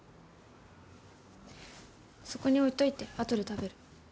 そこに置いといて後で食べる。